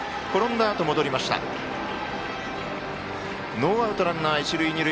ノーアウト、ランナー、一塁二塁。